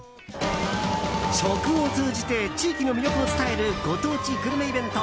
食を通じて地域の魅力を伝えるご当地グルメイベント